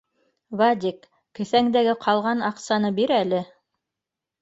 Вадик, кеҫәңдәге ҡалған а-аҡыны би әле